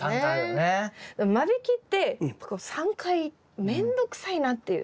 間引きって３回面倒くさいなっていう。